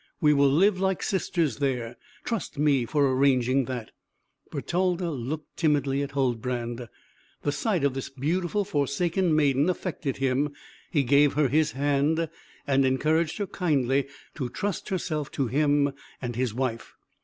We will live like sisters there, trust me for arranging that." Bertalda looked timidly at Huldbrand. The sight of this beautiful, forsaken maiden affected him; he gave her his hand and encouraged her kindly to trust herself to him and his wife.